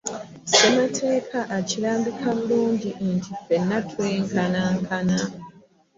Ssemateeka akirambika bulungi nti ffenna twenkanankana.